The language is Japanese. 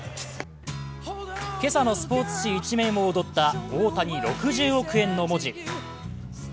今朝のスポーツ紙１面を躍った大谷６０億円の文字。